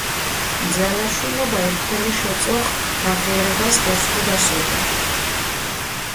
ნძალაშულობა ირფელიშ ოწოხ გაღიერებას გერსხუდას ოკო.